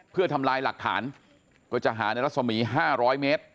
เพื่อทำลายหลักฐานก็จะหาในรัศมี๕๐๐เมตร